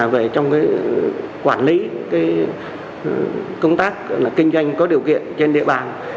về trong quản lý công tác kinh doanh có điều kiện trên địa bàn